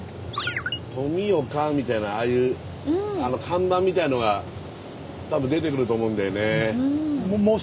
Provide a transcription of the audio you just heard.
「富岡」みたいなああいう看板みたいなのが多分出てくると思うんだよね。